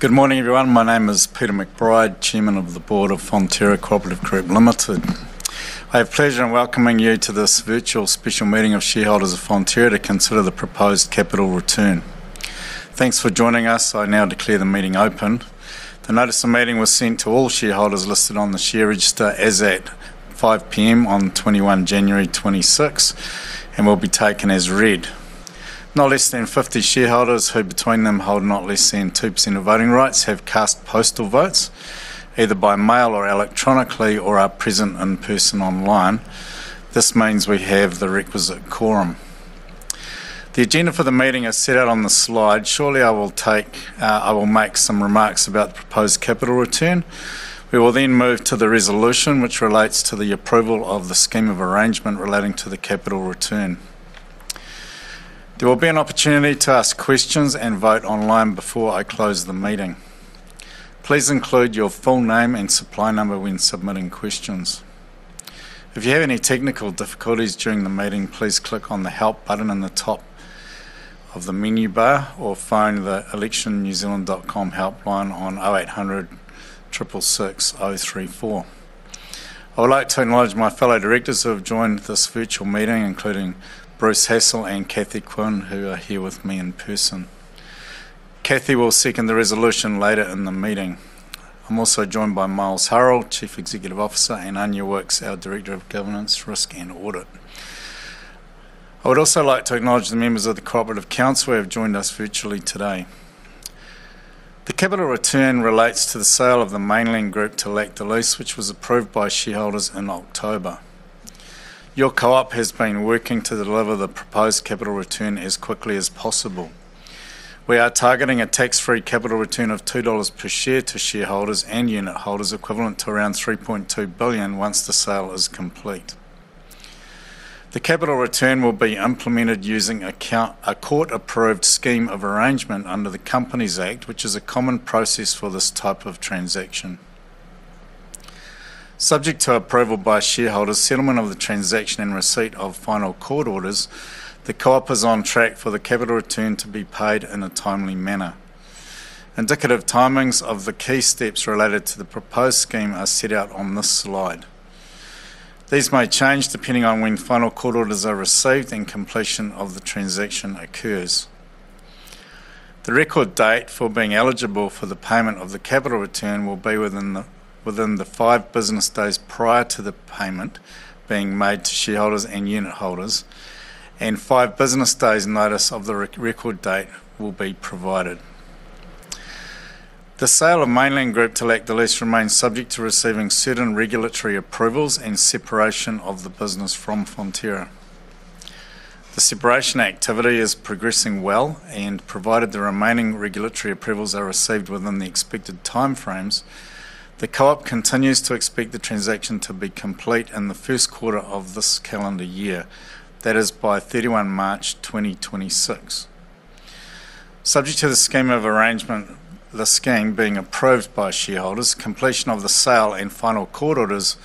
Good morning, everyone. My name is Peter McBride, Chairman of the Board of Fonterra Co-operative Group Limited. I have pleasure in welcoming you to this virtual special meeting of shareholders of Fonterra to consider the proposed capital return. Thanks for joining us. I now declare the meeting open. The notice of meeting was sent to all shareholders listed on the share register as at 5 P.M. on 21 January 2026, and will be taken as read. Not less than 50 shareholders, who between them hold not less than 2% of voting rights, have cast postal votes, either by mail or electronically, or are present in person online. This means we have the requisite quorum. The agenda for the meeting is set out on the slide. Shortly, I will take, I will make some remarks about the proposed capital return. We will then move to the resolution, which relates to the approval of the scheme of arrangement relating to the capital return. There will be an opportunity to ask questions and vote online before I close the meeting. Please include your full name and supply number when submitting questions. If you have any technical difficulties during the meeting, please click on the Help button in the top of the menu bar or phone the electionz.com helpline on 0800 663 034. I would like to acknowledge my fellow directors who have joined this virtual meeting, including Bruce Hassall and Cathy Quinn, who are here with me in person. Cathy will second the resolution later in the meeting. I'm also joined by Miles Hurrell, Chief Executive Officer, and Anya Wicks, our Director of Governance, Risk and Audit. I would also like to acknowledge the members of the Co-operative Council who have joined us virtually today. The capital return relates to the sale of the Mainland Group to Lactalis, which was approved by shareholders in October. Your co-op has been working to deliver the proposed capital return as quickly as possible. We are targeting a tax-free capital return of NZ$2 per share to shareholders and unit holders, equivalent to around NZ$3.2 billion once the sale is complete. The capital return will be implemented using a court-approved scheme of arrangement under the Companies Act, which is a common process for this type of transaction. Subject to approval by shareholders, settlement of the transaction, and receipt of final court orders, the co-op is on track for the capital return to be paid in a timely manner. Indicative timings of the key steps related to the proposed scheme are set out on this slide. These may change depending on when final court orders are received and completion of the transaction occurs. The record date for being eligible for the payment of the capital return will be within the 5 business days prior to the payment being made to shareholders and unit holders, and 5 business days' notice of the record date will be provided. The sale of Mainland Group to Lactalis remains subject to receiving certain regulatory approvals and separation of the business from Fonterra. The separation activity is progressing well, and provided the remaining regulatory approvals are received within the expected timeframes, the co-op continues to expect the transaction to be complete in the first quarter of this calendar year, that is, by 31 March 2026. Subject to the scheme of arrangement, the scheme being approved by shareholders, completion of the sale and final court orders,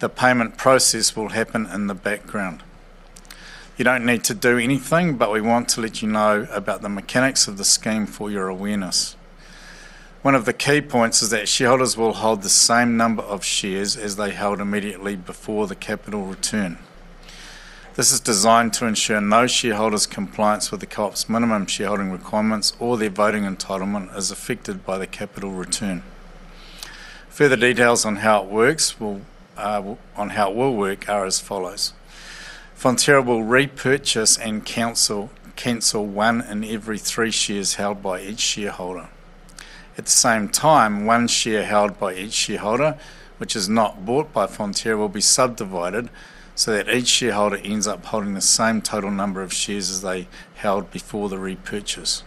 the payment process will happen in the background. You don't need to do anything, but we want to let you know about the mechanics of the scheme for your awareness. One of the key points is that shareholders will hold the same number of shares as they held immediately before the capital return. This is designed to ensure no shareholder's compliance with the co-op's minimum shareholding requirements or their voting entitlement is affected by the capital return. Further details on how it works will on how it will work are as follows: Fonterra will repurchase and cancel one in every three shares held by each shareholder. At the same time, 1 share held by each shareholder, which is not bought by Fonterra, will be subdivided so that each shareholder ends up holding the same total number of shares as they held before the repurchase.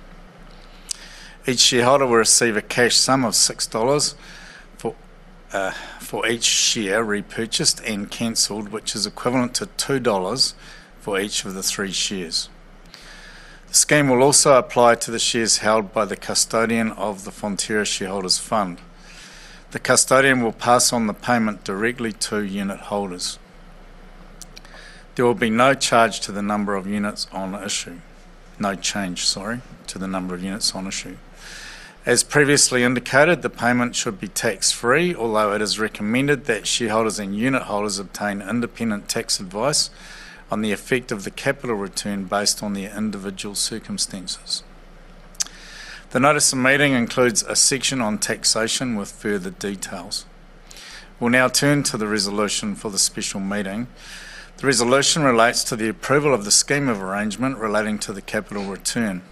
Each shareholder will receive a cash sum of 6 dollars for, for each share repurchased and canceled, which is equivalent to 2 dollars for each of the 3 shares. The scheme will also apply to the shares held by the custodian of the Fonterra Shareholders' Fund. The custodian will pass on the payment directly to unit holders. There will be no charge to the number of units on issue. No change, sorry, to the number of units on issue. As previously indicated, the payment should be tax-free, although it is recommended that shareholders and unit holders obtain independent tax advice on the effect of the capital return based on their individual circumstances. The notice of meeting includes a section on taxation with further details. We'll now turn to the resolution for the special meeting. The resolution relates to the approval of the scheme of arrangement relating to the capital return.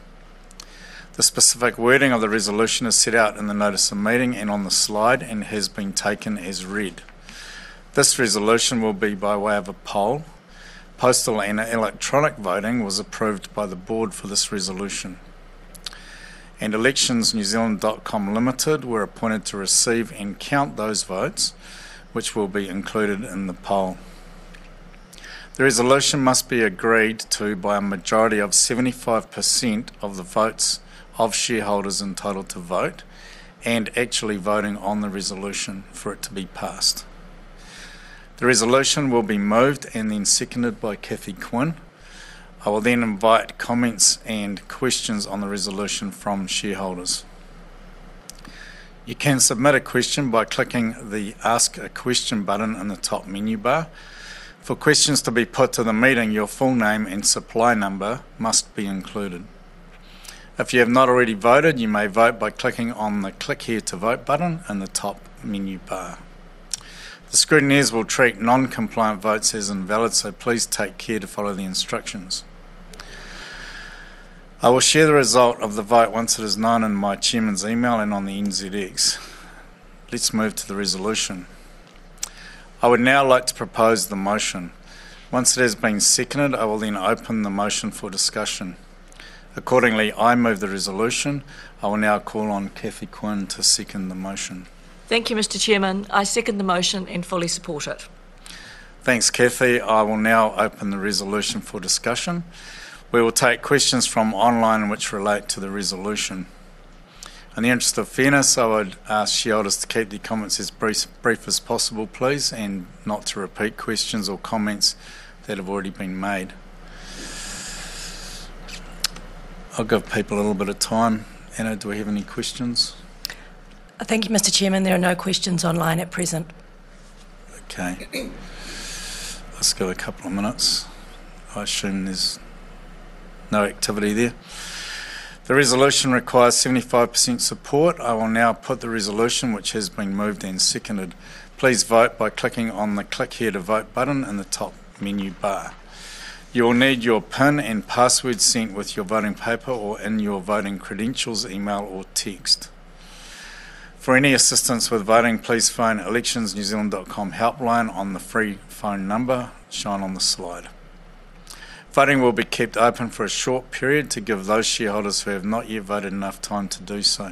The specific wording of the resolution is set out in the notice of meeting and on the slide, and has been taken as read. This resolution will be by way of a poll. Postal and electronic voting was approved by the board for this resolution, and electionz.com Limited were appointed to receive and count those votes, which will be included in the poll. The resolution must be agreed to by a majority of 75% of the votes of shareholders entitled to vote and actually voting on the resolution for it to be passed. The resolution will be moved and then seconded by Cathy Quinn. I will then invite comments and questions on the resolution from shareholders. You can submit a question by clicking the Ask a Question button in the top menu bar. For questions to be put to the meeting, your full name and supply number must be included. If you have not already voted, you may vote by clicking on the Click Here to Vote button in the top menu bar. The scrutineers will treat non-compliant votes as invalid, so please take care to follow the instructions. I will share the result of the vote once it is known in my chairman's email and on the NZX. Let's move to the resolution. I would now like to propose the motion. Once it has been seconded, I will then open the motion for discussion. Accordingly, I move the resolution. I will now call on Cathy Quinn to second the motion. Thank you, Mr. Chairman. I second the motion and fully support it. Thanks, Cathy. I will now open the resolution for discussion. We will take questions from online which relate to the resolution. In the interest of fairness, I would ask shareholders to keep their comments as brief as possible, please, and not to repeat questions or comments that have already been made. I'll give people a little bit of time. Anya, do we have any questions? Thank you, Mr. Chairman. There are no questions online at present. Okay. Let's give it a couple of minutes. I assume there's no activity there. The resolution requires 75% support. I will now put the resolution which has been moved and seconded. Please vote by clicking on the Click Here to Vote button in the top menu bar. You will need your PIN and password sent with your voting paper or in your voting credentials, email, or text. For any assistance with voting, please phone electionz.com helpline on the free phone number shown on the slide. Voting will be kept open for a short period to give those shareholders who have not yet voted enough time to do so.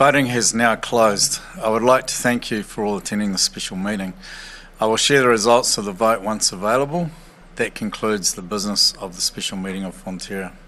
Just give a couple- Voting has now closed. I would like to thank you for all attending this special meeting. I will share the results of the vote once available. That concludes the business of the special meeting of Fonterra. Thank you.